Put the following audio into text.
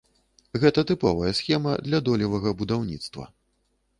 Гэта тыповая схема для долевага будаўніцтва.